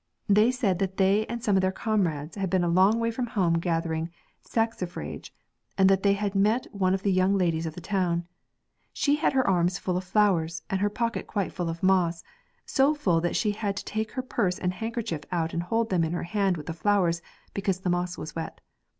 They said that they and some of their comrades had been a long way from home gathering saxifrage, and that they had met one of the young ladies of the town. She had her arms full of flowers, and her pocket quite full of moss, so full that she had had to take her purse and handkerchief out and hold them in her hand with the flowers because the moss was wet.